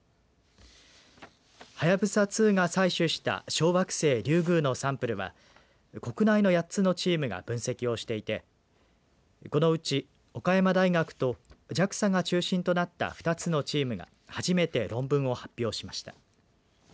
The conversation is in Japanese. はやぶさ２が採取した小惑星リュウグウのサンプルは国内の８つのチームが分析をしていてこのうち岡山大学とＪＡＸＡが中心となった２つのチームが初めて論文を発表しました。